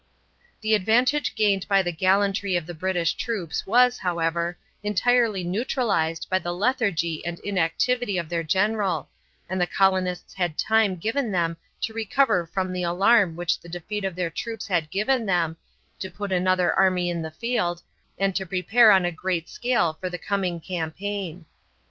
The advantage gained by the gallantry of the British troops was, however, entirely neutralized by the lethargy and inactivity of their general, and the colonists had time given them to recover from the alarm which the defeat of their troops had given them, to put another army in the field, and to prepare on a great scale for the following campaign.